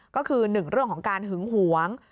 ก็คือ๑เรื่องของการหึงหวง